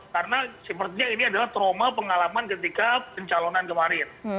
karena sepertinya ini adalah trauma pengalaman ketika pencalonan kemarin